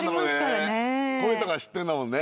声とか知ってんだもんね。